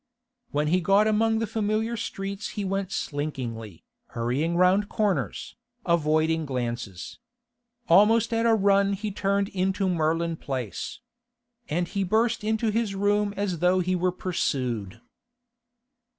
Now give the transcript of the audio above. When he got among the familiar streets he went slinkingly, hurrying round corners, avoiding glances. Almost at a run he turned into Merlin Place, and he burst into his room as though he were pursued.